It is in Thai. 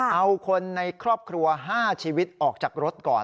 เอาคนในครอบครัว๕ชีวิตออกจากรถก่อน